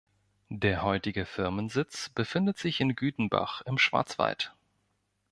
Der heutige Firmensitz befindet sich in Gütenbach im Schwarzwald.